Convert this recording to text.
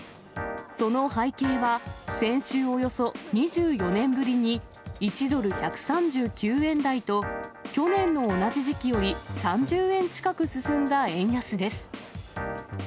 その背景は先週およそ２４年ぶりに、１ドル１３９円台と去年の同じ時期より３０円近く進んだ円安です。